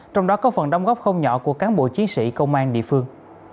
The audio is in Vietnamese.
trong đó có phần đóng góp không nhỏ của cán bộ chiến sĩ công an địa phương